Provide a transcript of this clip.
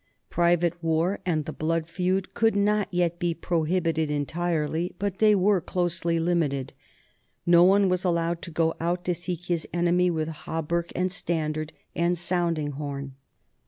Private war and the blood feud could not yet be prohibited entirely, but they were closely limited. No one was allowed to go out to seek his enemy with hauberk and standard and sounding horn.